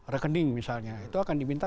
rekening misalnya itu akan diminta